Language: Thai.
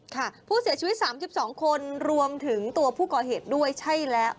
ค่ะผู้เสียชีวิต๓๒คนรวมถึงตัวผู้ก่อเหตุด้วยใช่แล้ว